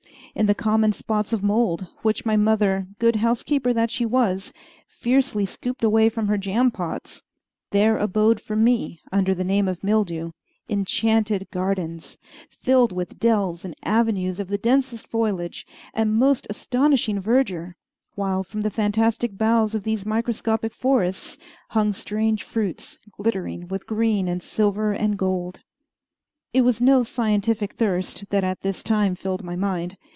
In the common spots of mould, which my mother, good housekeeper that she was, fiercely scooped away from her jam pots, there abode for me, under the name of mildew, enchanted gardens, filled with dells and avenues of the densest foliage and most astonishing verdure, while from the fantastic boughs of these microscopic forests hung strange fruits glittering with green and silver and gold. It was no scientific thirst that at this time filled my mind.